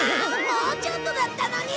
もうちょっとだったのに！